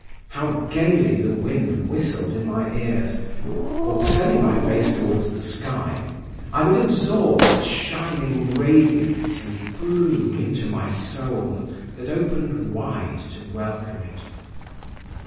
How gaily the wind whistled in my ears! or turning my face towards the sky, I would absorb its shining radiance and blue into my soul, that opened wide to welcome it.